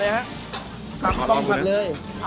โอเค